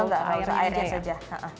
enggak enggak bisa air aja